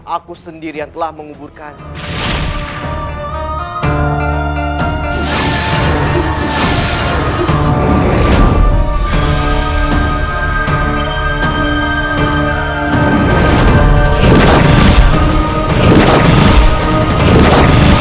aku sendiri yang telah menguburkannya